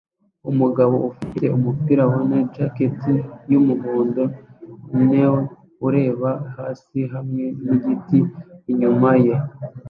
Umugabo ufite umupira wana jacket yumuhondo neon ureba hasi hamwe nigiti inyuma ye